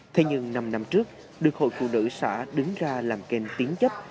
thế nhưng năm năm trước đội hội phụ nữ xã đứng ra làm kênh tín chấp